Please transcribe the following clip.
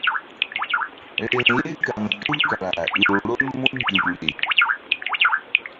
Riŋ ye kaŋto kara ƴo rol mun nzukri.